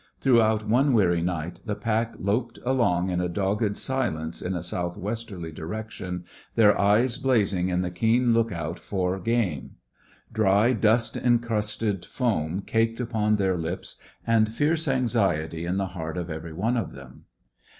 Throughout one weary night, the pack loped along in dogged silence in a south westerly direction, their eyes blazing in the keen look out for game; dry, dust encrusted foam caked upon their lips, and fierce anxiety in the heart of every one of them.